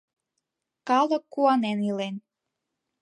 Калык куанен илен.